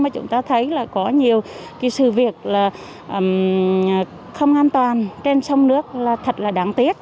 sẽ có nhiều cái sự việc là không an toàn trên sông nước là thật là đáng tiếc